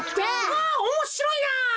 わおもしろいな。